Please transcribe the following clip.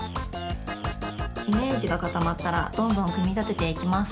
イメージがかたまったらどんどんくみたてていきます。